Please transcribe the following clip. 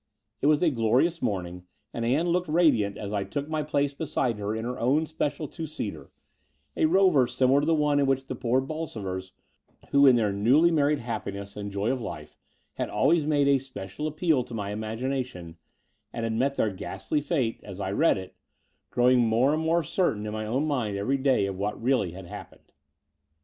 It was a glorious morning, and Ann looked radiant as I took my place beside her in her own special two seater — a Rover similar to the one in which the poor Bolsovers, who in their newly married happiness and joy of life had always made a special appeal to my imagination, had met their ghastly fate, as I read it, growing more and more 144 The Door of the Unreal certain in my own mind every day of what really had happened.